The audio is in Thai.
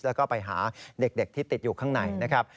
แล้วก็ไปหาเด็กที่ติดอยู่ข้างในนะครับ